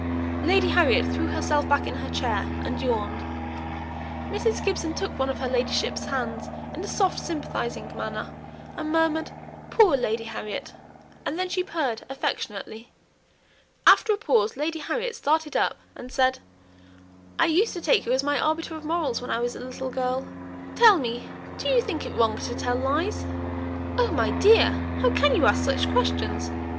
Lady Harriet threw herself back in her chair, and yawned; Mrs. Gibson took one of her ladyship's hands in a soft sympathizing manner, and murmured, "Poor Lady Harriet!" and then she purred affectionately. After a pause Lady Harriet started up and said "I used to take you as my arbiter of morals when I was a little girl. Tell me, do you think it wrong to tell lies?" "Oh, my dear! how can you ask such questions?